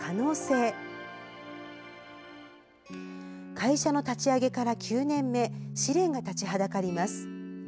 会社の立ち上げから９年目試練が立ちはだかります。